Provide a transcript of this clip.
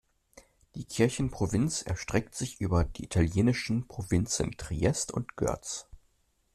Die Kirchenprovinz erstreckt sich über die italienischen Provinzen "Triest" und "Görz".